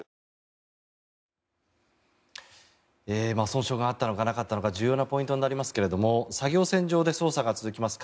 損傷があったのかなかったのか重要なポイントになりますが作業船上で捜査が続きます